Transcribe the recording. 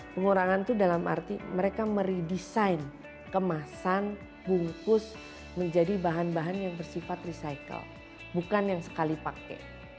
pengurangan itu dalam arti mereka meredesain kemasan bungkus menjadi bahan bahan yang bersifat recycle bukan yang sekali pakai